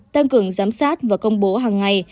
tăng cường giám sát và công bố hàng ngày